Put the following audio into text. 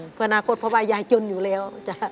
เพื่ออนาคตเพราะว่ายายจนอยู่แล้ว